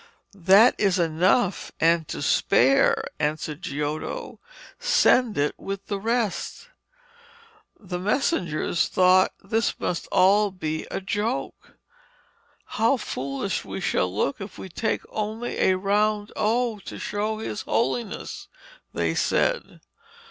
'That is enough and to spare,' answered Giotto. 'Send it with the rest.' The messengers thought this must all be a joke. 'How foolish we shall look if we take only a round O to show his Holiness,' they said.